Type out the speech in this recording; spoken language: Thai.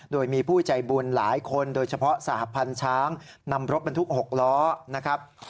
โดยมีผู้ใจบุญหลายคนโดยเฉพาะสหพันธ์ช้างนำรถบรรทุก๖ล้อนะครับ